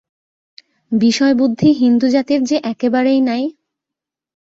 বিষয়বুদ্ধি হিন্দুজাতির যে একেবারেই নাই।